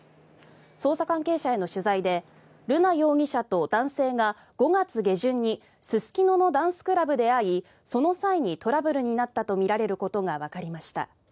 捜査関係者への取材で瑠奈容疑者と男性が５月下旬にすすきののダンスクラブで会いその際にトラブルになったとみられることがわかりました。